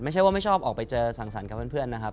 ไม่ใช่ว่าไม่ชอบออกไปเจอสั่งสรรค์กับเพื่อนนะครับ